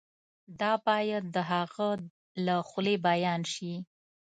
دا باید د هغه له خولې بیان شي.